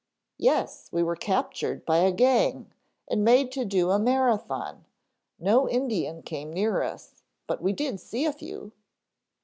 "Yes. We were captured by a gang and made to do a Marathon; no Indian came near us, but we did see a few."